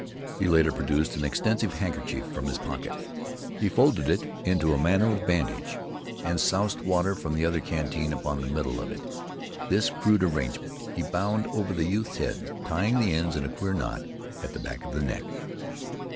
He later produced an extensive handkerchief from his pocket. He folded it into a manner of bandage and soused water from the other canteen upon the middle of it. This crude arrangement he bound over the youth's head, tying the ends in a queer knot at the back of the neck.